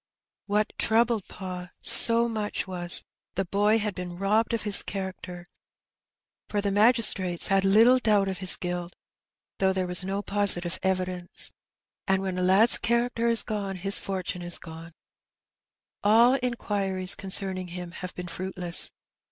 What troubled pa so much was, the boy had been robbed of his character, for th^ magistrates had s 2 260 Her Benny. little doabt of his guilty though there was no positive evidence; and when a lad's character is gone his fortune is gone. AU inquiries concerning him have been fruitless.